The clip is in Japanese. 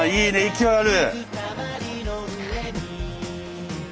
勢いある。